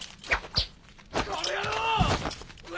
この野郎！